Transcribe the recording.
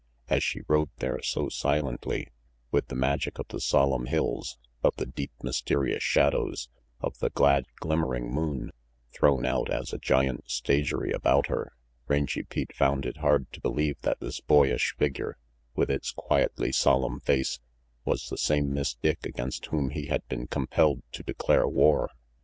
As she rode there so silently, with the magic of the solemn hills, of the deep mysterious shadows, of the glad glimmer ing moon, thrown out as a giant stagery about her, Rangy Pete found it hard to believe that this boyish figure, with its quietly solemn face, was the same Miss Dick against whom he had been compelled to declare war.